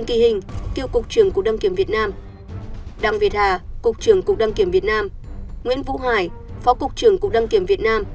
đăng ký hình cựu cục trưởng cục đăng kiểm việt nam đăng việt hà cục trưởng cục đăng kiểm việt nam nguyễn vũ hải phó cục trưởng cục đăng kiểm việt nam